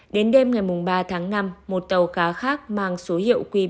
đến đêm ngày ba tháng năm một tàu cá khác mang số hiệu qb chín mươi tám sáu trăm một mươi bốn ts